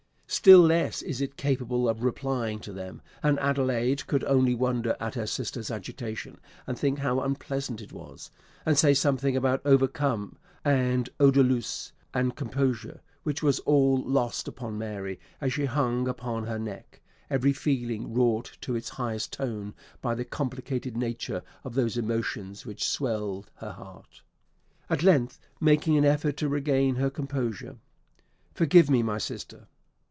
Still less is it capable of replying to them; and Adelaide could only wonder at her sister's agitation, and think how unpleasant it was; and say something about overcome, and eau de luce, and composure; which was all lost upon Mary as she hung upon her neck, every feeling wrought to its highest tone by the complicated nature of those emotions which swelled her heart. At length, making an effort to regain her composure, "Forgive me, my sister!"